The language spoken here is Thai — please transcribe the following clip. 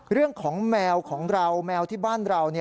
เรื่องของแมวของเราแมวที่บ้านเรา